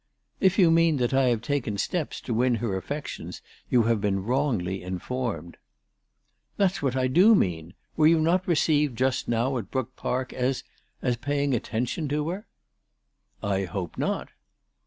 " If you mean that I have taken steps to win her affections, you have been wrongly informed." " That's what I do mean. Were you not received just now at Brook Park as, as paying attention to her ?"" I hope not."